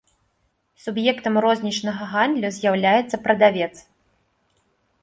Суб'ектам рознічнага гандлю з'яўляецца прадавец.